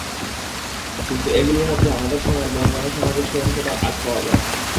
কিন্তু এগুলোর মধ্যে আমাদের সময়ের গনগনে সামাজিক সহিংসতার আঁচ পাওয়া যায়।